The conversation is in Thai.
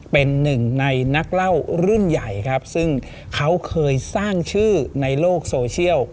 เป็นหนึ่งในนักเล่ารุ่นใหญ่ครับซึ่งเขาเคยสร้างชื่อในโลกโซเชียล